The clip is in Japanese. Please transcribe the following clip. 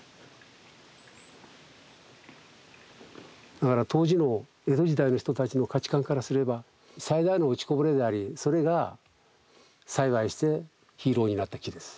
だから当時の江戸時代の人たちの価値観からすれば最大の落ちこぼれでありそれが幸いしてヒーローになった木です。